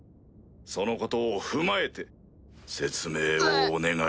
そのことを踏まえて説明をお願いします。